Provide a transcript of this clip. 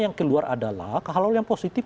yang keluar adalah kalau yang positif